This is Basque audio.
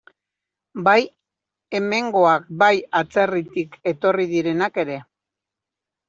Bai hemengoak, bai atzerritik etorri direnak ere.